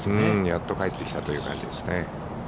やっと帰ってきたという感じですね。